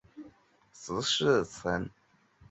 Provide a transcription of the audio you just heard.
此时的鸣沙洲塔共计十四层。